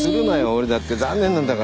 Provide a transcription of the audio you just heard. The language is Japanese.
俺だって残念なんだから。